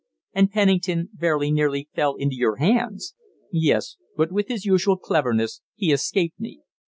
"And Pennington very nearly fell into your hands." "Yes, but with his usual cleverness he escaped me."